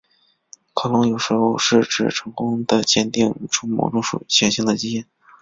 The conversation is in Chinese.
克隆有时候是指成功地鉴定出某种显性的基因。